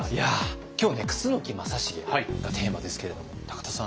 今日ね「楠木正成」がテーマですけれども田さん